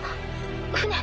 船？